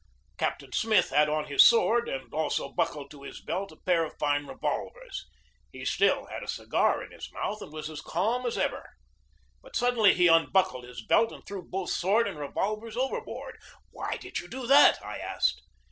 Captain Smith had on his sword, and also buckled to his belt a pair of fine revolvers. He still had a cigar in his mouth, and was as calm as ever. But suddenly he unbuckled his belt and threw both sword and revolvers overboard. "Why did you do that?" I asked.